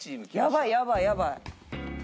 やばいやばいやばい。